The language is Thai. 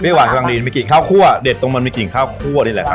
หวานกำลังดีมีกลิ่นข้าวคั่วเด็ดตรงมันมีกลิ่นข้าวคั่วนี่แหละครับ